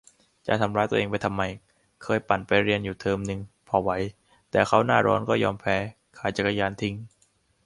จะทำร้ายตัวเองไปทำไม เคยปั่นไปเรียนอยู่เทอมนึง พอไหว แต่เข้าหน้าร้อนก็ยอมแพ้ ขายจักรยานทิ้ง !